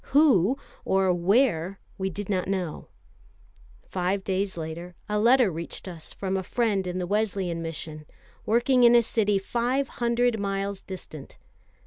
Who, or where, we did not know. Five days later, a letter reached us from a friend in the Wesleyan Mission, working in a city five hundred miles distant.